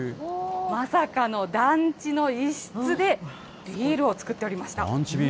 まさかの団地の一室で、ビールを造っておりました。